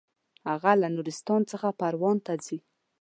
هغه له نورستان څخه پروان ته ځي.